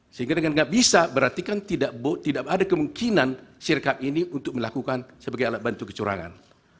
sehingga dengan tidak bisa berarti kan tidak ada kemungkinan sirkap ini untuk melakukan sebagai alat bantu kecurangan